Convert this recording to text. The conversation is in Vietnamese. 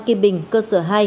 kim bình cơ sở hai